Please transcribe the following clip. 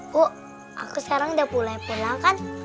bu aku sekarang udah mulai pulang kan